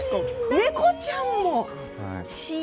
猫ちゃんも。